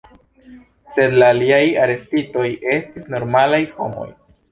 Sed la aliaj arestitoj estis normalaj homoj.